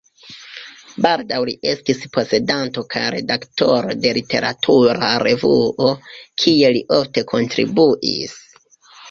Baldaŭ li estis posedanto kaj redaktoro de literatura revuo, kie li ofte kontribuis.